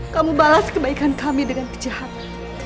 kamu balas kebaikan kami dengan kejahatan